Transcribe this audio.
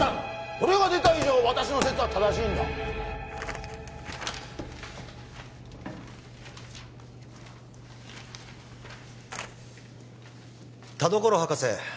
これが出た以上私の説は正しいんだ田所博士